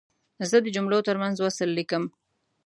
زه د جملو ترمنځ وصل لیکم.